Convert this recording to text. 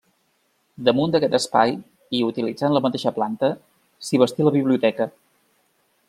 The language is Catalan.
Damunt d'aquest espai i utilitzant la mateixa planta, s'hi bastí la biblioteca.